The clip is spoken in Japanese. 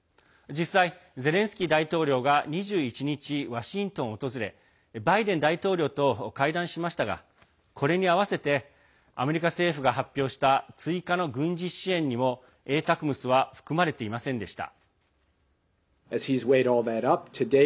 実際、ゼレンスキー大統領が２１日、ワシントンを訪れバイデン大統領と会談しましたがこれにあわせてアメリカ政府が発表した追加の軍事支援にも「ＡＴＡＣＭＳ」は含まれていませんでした。